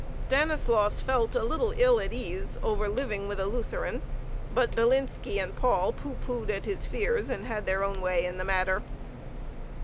Stanislaus felt a little ill at ease over living with a Lutheran. But Bilinski and Paul pooh poohed at his fears, and had their own way in the matter.